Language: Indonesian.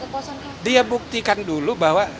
dia buktikan dulu bahwa